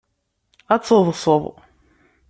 Ad teḍṣeḍ.